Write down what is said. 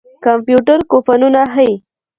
کمپيوټر کوپنونه ښيي.